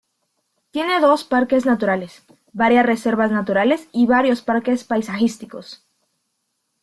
Tiene dos parques naturales, varias reservas naturales y varios parques paisajísticos.